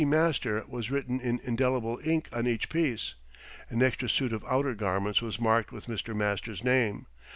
Master" was written in indelible ink on each piece. An extra suit of outer garments was marked with Mr. Master's name.